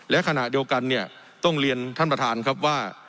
และขณะเดียวกันต้องเรียนท่านประธานว่า